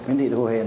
nguyễn thị thu huyền